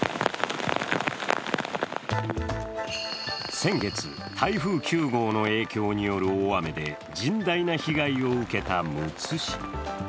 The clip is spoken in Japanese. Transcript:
先月、台風９号の影響による大雨で甚大な被害を受けたむつ市。